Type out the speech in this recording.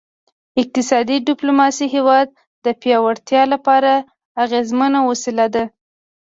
اقتصادي ډیپلوماسي د هیواد د پیاوړتیا لپاره اغیزمنه وسیله ده